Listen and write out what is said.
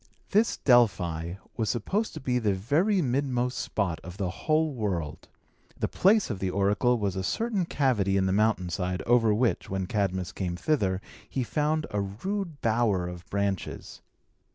This Delphi was supposed to be the very midmost spot of the whole world. The place of the oracle was a certain cavity in the mountain side, over which, when Cadmus came thither, he found a rude bower of branches.